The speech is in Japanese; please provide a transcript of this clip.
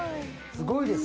すごいです。